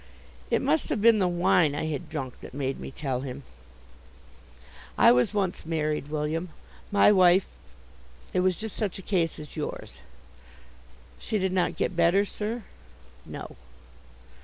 It must have been the wine I had drunk that made me tell him: "I was once married, William. My wife it was just such a case as yours." "She did not get better, sir?" "No."